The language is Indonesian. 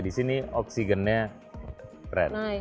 di sini oksigennya keren